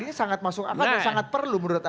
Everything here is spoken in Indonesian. ini sangat masuk akal dan sangat perlu menurut anda